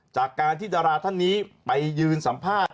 จากการที่ดาราท่านนี้ไปยืนสัมภาษณ์